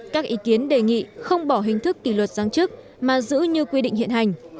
các ý kiến đề nghị không bỏ hình thức kỷ luật giáng chức mà giữ như quy định hiện hành